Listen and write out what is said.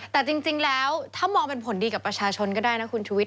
แต่จริงแล้วถ้ามองเป็นผลดีกับประชาชนก็ได้นะคุณชุวิต